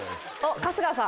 春日さん。